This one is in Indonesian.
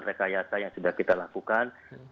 rekayasa yang sudah kita lakukan